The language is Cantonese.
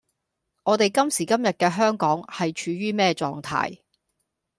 我哋今時今日嘅香港係處於咩狀態?